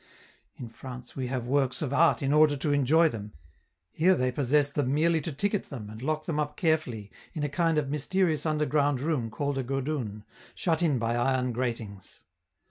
In France we have works of art in order to enjoy them; here they possess them merely to ticket them and lock them up carefully in a kind of mysterious underground room called a 'godoun', shut in by iron gratings.